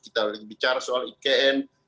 kita bicara soal ikn